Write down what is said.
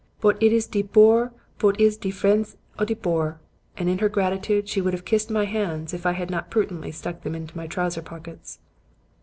Bot it is de boor vot is de vriendts of de boor;' and in her gratitude she would have kissed my hands if I had not prudently stuck them in my trousers pockets.